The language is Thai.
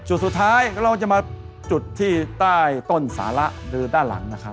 จุดสุดท้ายเราจะมาจุดที่ใต้ต้นสาระหรือด้านหลังนะครับ